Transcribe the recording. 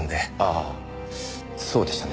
ああそうでしたね。